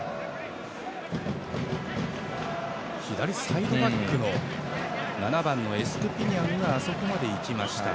左サイドバックの７番エストゥピニャンがあそこまで行きました。